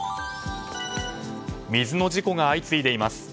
水の事故が相次いでいます。